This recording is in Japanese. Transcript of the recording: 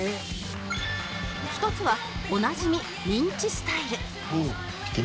一つはおなじみミンチスタイル